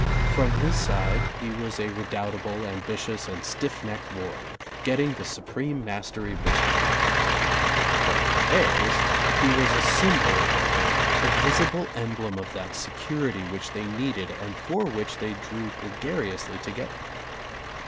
From his side, he was a redoubtable, am bitious, and stiff necked warrior, getting the su preme mastery which he craved. But from theirs, he was a symbol of the herd, the visible emblem of that security which they needed and for which they drew gregariously together.